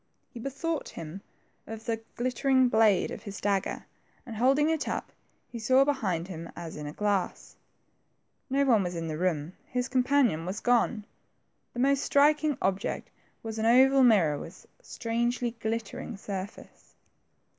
He bethought him of the 84 THE TWO FRINGES, glittering blade of his dagger, and holding it up, he saw behind him as in a glass. No one was in the room. His companion was gone. The most striking object was an oval mirror with strangely glittering surface.